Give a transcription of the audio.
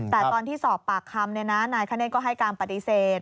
แต่ตอนที่สอบปากคำนายคเนธก็ให้การปฏิเสธ